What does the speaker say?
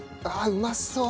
うまそう。